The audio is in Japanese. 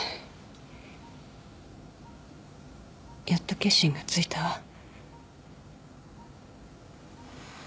やっと決心がついたわ。